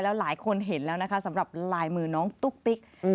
หลายคนเห็นแล้วนะคะสำหรับลายมือน้องตุ๊กติ๊ก